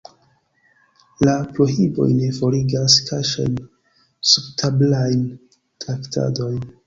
La prohiboj ne forigas kaŝajn, subtablajn traktadojn.